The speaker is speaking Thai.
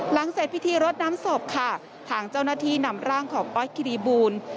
เสร็จพิธีรดน้ำศพค่ะทางเจ้าหน้าที่นำร่างของออสคิริบูล